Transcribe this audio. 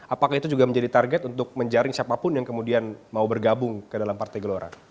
apakah itu juga menjadi target untuk menjaring siapapun yang kemudian mau bergabung ke dalam partai gelora